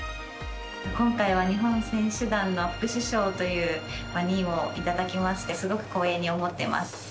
今回は日本選手団の副主将という任務をいただきましてすごく光栄に思っています。